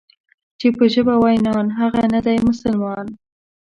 چې په ژبه وای نان، هغه نه دی مسلمان.